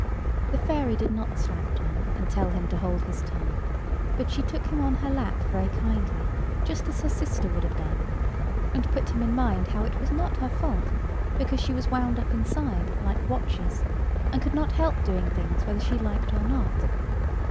The fairy did not slap Tom, and tell him to hold his tongue: but she took him on her lap very kindly, just as her sister would have done; and put him in mind how it was not her fault, because she was wound up inside, like watches, and could not help doing things whether she liked or not.